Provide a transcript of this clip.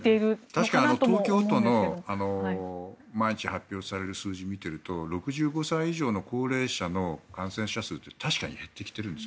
確かに東京都の毎日発表される数字を見ていると６５歳以上の高齢者の感染者数確かに減ってきてるんです。